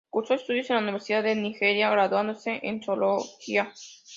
Cursó estudios en la Universidad de Nigeria, graduándose en zoología.